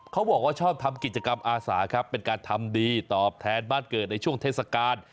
เขาบอกว่าชอบทำกิจกรรมอาสาครับเป็นการทำดีตอบแทนบ้านเกิดในช่วงเทศกาล